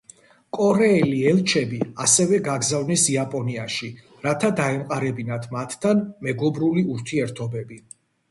კორეელი ელჩები ასევე გაგზავნეს იაპონიაში, რათა დაემყარებინათ მათთან მეგობრული ურთიერთობები.